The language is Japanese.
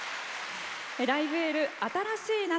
「ライブ・エール新しい夏」。